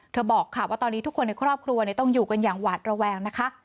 บอกค่ะว่าตอนนี้ทุกคนในครอบครัวต้องอยู่กันอย่างหวาดระแวงนะคะ